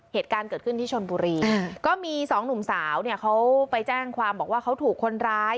เหตุการณ์เกิดขึ้นที่ชนบุรีก็มีสองหนุ่มสาวเนี่ยเขาไปแจ้งความบอกว่าเขาถูกคนร้าย